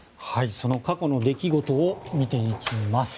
その過去の出来事を見ていきます。